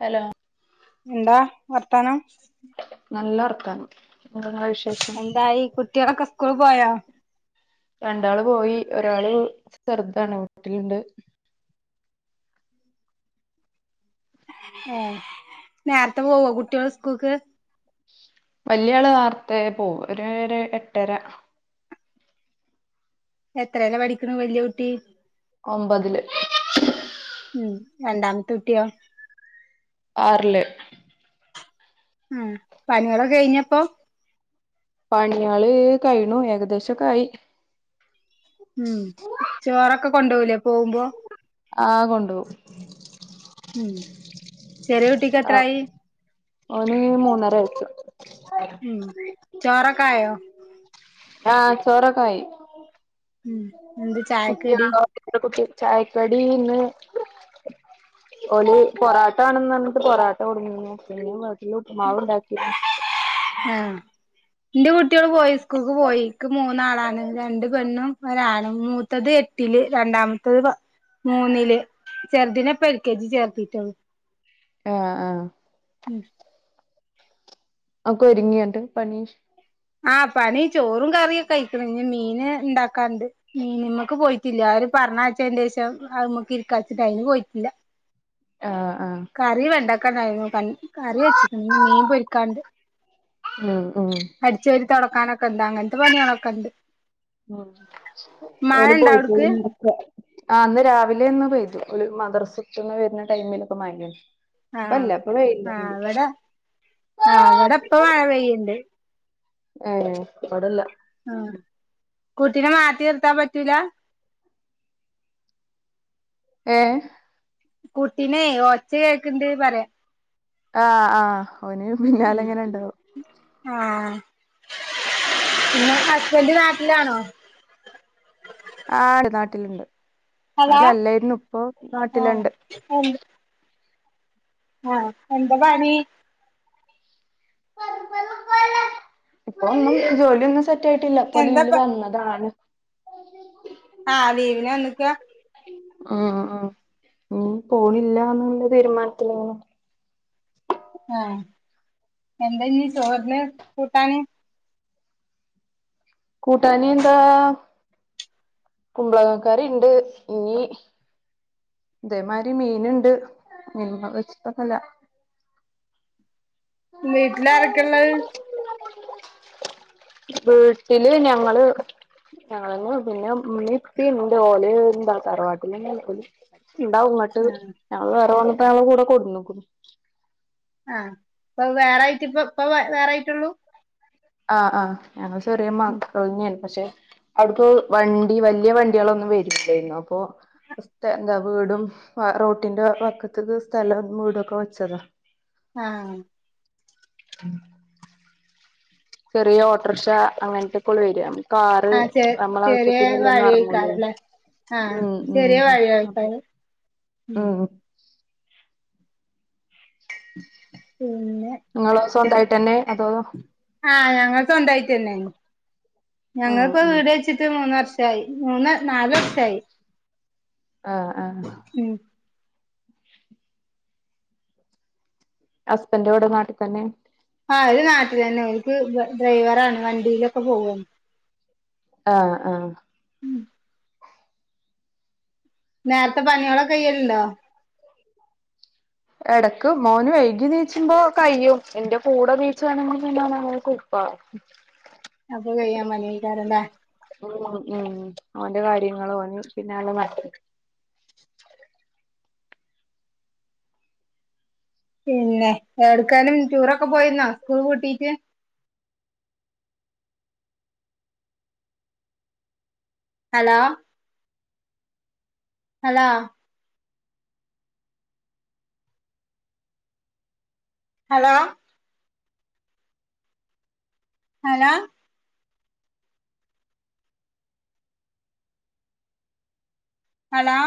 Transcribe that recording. Hello എന്താ വർത്താനം നല്ല ഉർക്കം എന്താായി കുട്ടികളൊക്കെ സ്കൂള് പോയാ രണ്ടാള് പോയി ഒരാള് ശ്രധാണ് വീട്ടിലുണ്ട് ഏ നേരത്തെ പോവോ കുട്ടികൾ സ്കൂൾക്ക് വലിയ ആള് വാർത്ത പോവും ഒരു എട്ടര എത്രയല്ല പഠിക്കണ വല്യ കുഊട്ടി ഒമ്പതില് ഉം രണ്ടാമത്തെ കുട്ടിയോ ആറല് ഉം പനികളൊ കെ കഴിഞ്ഞപ്പോ പണിയള് കഴിഞ്ഞ് ഏകദേശം കായി ഉം ചോറൊക്കെ കൊണ്ടുപോകലേ പോകുമ്പോ ആഹ് കൊണ്ടപോ ഉ ചെറിയ കുട്ടിക്ക്ത്രായി ഓന് മൂന്നര വയസ്സ് ഉം ചോറക്കായോ ആഹ ചോറക്കായ ഉം എന്ത് ചായക്ക് കടി കുട്ടിയത്ര കുട്ടി ചായക്കടീന്ന് [inaudible] ഓ പൊറാട്ട ആണന്ന് പറഞ്ഞിട്ട് പൊറോട്ട കൊടുങ്ങ പിന്നെ വീട്ടില് ഉപ്പ്മാവ് ഉണ്ടാക്കി ആഹ എന്റെറെ കട്ടി കുട്ടികട് പോയി സ്കൂക്ക് പോയിക്ക് മൂന്നാളാണ് രണ്ട് പെണ്ണും ഒരാളു ത്തത് എട്ടില് രണ്ടാമത്തത് മൂന്നില് ചെറുതന്പ്പ എക്കേജി ചേർത്തിട്ടള്ളു ആഹ ആഹ ഉം ആക്കരങ്ങാൻട്ട പനീഷ് ആഹ് പന ചോറും കറിയൊക്കെ കയിക്കണ ഇ മീന് ഉണ്ടാക്കാുണ്ട് മീൻ നിമ്മക്ക് പോയിട്ടില്ലരും പറഞ്ഞച്ച അതിന്ശം അമക്ക് ഇരിക്ക വച്ചിട്ട് അതിന് പോയിട്ടില്ല ആ ആ കറി വ ഉണ്ടാക്കാണ്ടായിരുന്നു പ കറി വെച്ചി മീൻ പൊരിക്കാണ്ട് ഉം ഉം അരിച്ചരു തുടക്കാനക്കണ്ടാങ്ങന്ത് പണി ഉണക്കണ്ട് ഉ ഓല് പോയി അവ്ട്ക്ക്? ആന്ന് രാവിലൊന്ന് പെയ്തു ഇബൽ മദ്രസ്സ് ട്ട് വേര്ണ ടൈമിൽ മായെണി. ആഹ ആ ഇവിടെ ആ ഇ വിടെ പ്പ മഴ പെയ്യുണ്ട് ആ ആയിക്കോട്ടെന്ന ആ കുട്ടിനെ മാറ്റി തീർത്താൻ പറ്റൂല. ഏ കുട്ടിനെ ഒഓച്ച കേക്കണ്ട് പറയാ. ആഹ് ആഹ് ഓന പിന്നെലങ്ങനാണ്ട്. ഹസ്ബൻഡ് നാട്ടിലാണോ? ആടെ നാട്ടിലുണ്ട്. അട ഹലോ അല്ലായിരുന്നു ഇപ്പൊ ആഹ് നാട്ടിലുണ്ട്. എന്ത് ആഹ് എന്താ പണി? ഇപ്പോ ജോലിയൊന്നും സെറ്റ് ട്ടില്ല പ്പോ ലീവില് എന്താപ്പ വന്നതാണ് ആഹ് ലീവിന് വന്നക്കാ. മ് മ് ഞ്ഞി പോണില്ല ന്നാ തീരുമാനത്തിൽ ങ്ങനെ- ആഹ് എന്താ ഞ്ഞി ചോറിന് കൂട്ടാന്? കൂട്ടാന് എന്താ? കുമ്പളങ്ങാ കറിണ്ട് ഞ്ഞി. ദേ മാരി മീൻ ണ്ട് പിന്നൊന്നുല്ല വീട്ടിലാരെക്കല്ലേ? വീട്ടില് ഞങ്ങള്. ഞങ്ങളെന്നെ ള്ളൂ പിന്നെ ഇമ്മി ഇപ്പി ഇണ്ട് പഷേ ഓല് തറവാട്ടിലാ ണ്ടാവും ഉങ്ങട്ട് ആഹ് ഞങ്ങൾ വേറെ പോന്നപ്പോ ഞങ്ങള് കൂടെ കൊടക്ക്ന്നു. ആഹ ഇപ്പൊ വേറൊയിട്ട് ഇപ്പ വേറൊയിട്ടുള്ളൂ? ആഹ് അഹ് ഞങ്ങൾ ചെറിയമകളാണെന്ന് പഷേ. അവിടുക്ക് വണ്ടി വലിയ വണ്ടികളൊന്നും വരില്ലായിരുന്നു അപ്പൊ. സ്ഥ വീടും റോട്ടിന്റെ വക്കത്ത് സ്ഥലം വീടും ഒക്കെ വെച്ചതാ ആഹ് ഉം ചെറിയ ഓട്ടർഷാ അങ്ങനത്തൊകൊള്ളു വര. കാറ് ആഹ് ചെ നമ്മളാവശ്യത്തില്ലൊന്നും എറങ്ങൂലെ ആ ചെറിയ [unintelligible] ഉം [inaudible] ഇങ്ങളൊ സ്വന്തായിട്ടെന്നേ അതോ ഞങ്ങള് സ്വന്തായിട്ടെന്നെ ആഹ് ഞങ്ങള്പ്പോ ആഹ് വീട് വെച്ചിട്ട് മൂന്നു വർഷ ഷായി മൂന്ന് നാല് വർഷായി ആ ആ ഉം ഹസ്ബന്റ് ഇവടെ നാട്ട്ത്തെന്നെ ആ ഓല് നാട്ട്ത്തെന്നെ ഓല്ക്ക് ഡ്രൈവറാണ് വണ്ടീലൊക്കെ പോവാണ് ആ ആ നേര്ത്തെ പണിയാളൊക്കെ കയ്യൽണ്ടോ എടക്ക് മോന് വൈകി നീച്ചുമ്പോ കയ്യും ന്റെ കൂടെ നീച്ചാണെങ്കി പിന്നോനങ്ങനെ കു മ്പ അപ്പൊ കയ്യാൻ പണിക്കാരല്ലേ ഉം ഉം ഓന്റെ കാര്യങ്ങളും ഓന് പിന്നാലേ നടക്കേ പിന്നെ എട്ക്കേലും റ്റൂറൊക്കെ പോയിര്ന്നോ സ്കൂള് പൂട്ടീറ്റ് hello hello hello hello hello